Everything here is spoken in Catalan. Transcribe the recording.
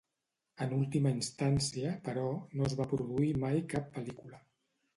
En última instància, però, no es va produir mai cap pel·lícula.